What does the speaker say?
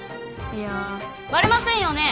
いやバレませんよね！